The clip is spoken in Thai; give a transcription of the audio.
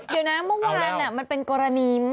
เดี๋ยวนะเมื่อวานมันเป็นกรณี